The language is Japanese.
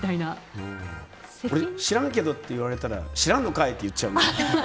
俺、知らんけどって言われたら知らんのかいって言っちゃう。